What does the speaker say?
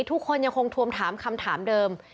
ทุกคนยังคงทวงถามคำถามเดิม